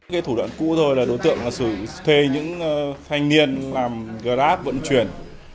cái thủ đoạn cũ thôi là đối tượng là sự thuê những thanh niên làm grab vận chuyển